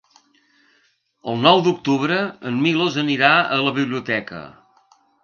El nou d'octubre en Milos anirà a la biblioteca.